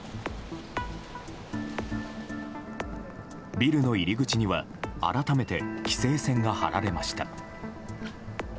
ビルの入り口には改めて規制線が張られました。